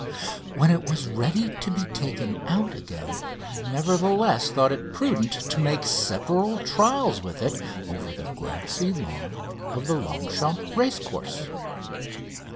When it was ready to be taken out again I nevertheless thought it prudent to make several trials with it over the grassy lawn of the Longchamps racecourse.